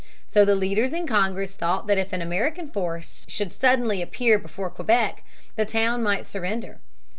So the leaders in Congress thought that if an American force should suddenly appear before Quebec, the town might surrender.